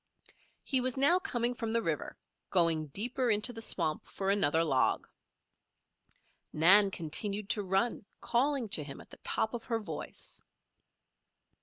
He was now coming from the river, going deeper into the swamp for another log. Nan continued to run, calling to him at the top of her voice.